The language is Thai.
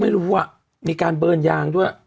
ไม่รู้มีการเบิ้ลยางด้วย